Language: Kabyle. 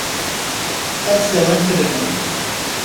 Ad d-tawimt lhemm.